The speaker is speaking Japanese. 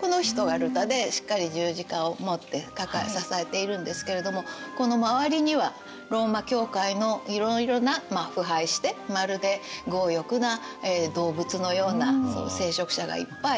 この人がルターでしっかり十字架を持って支えているんですけれどもこの周りにはローマ教会のいろいろな腐敗してまるで強欲な動物のような聖職者がいっぱい。